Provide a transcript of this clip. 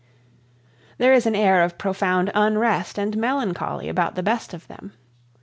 There is an air of profound unrest and melancholy about the best of them.